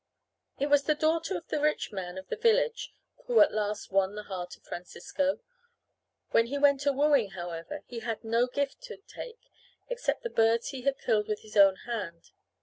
It was the daughter of the rich man of the village who at last won the heart of Francisco. When he went a wooing, however, he had no gift to take except the birds he had killed with his own hand.